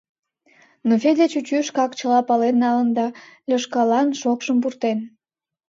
Но Федя чӱчӱ шкак чыла пален налын да Лёшкалан шокшым пуртен.